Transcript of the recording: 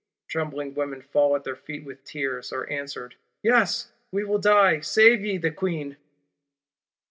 Trembling women fall at their feet with tears; are answered: 'Yes, we will die; save ye the Queen!